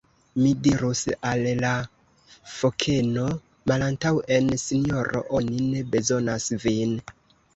"Mi dirus al la fokeno: 'Malantaŭen Sinjoro! oni ne bezonas vin.'"